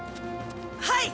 はい！